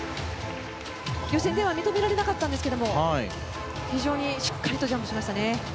予選では認められなかったんですが非常にしっかりとジャンプしましたね。